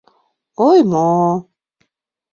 — Ой, мо-мо-мо...